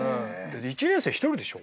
１年生１人でしょ？